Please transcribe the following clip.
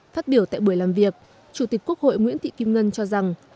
phát biểu tại buổi làm việc chủ tịch quốc hội nguyễn thị kim ngân cho rằng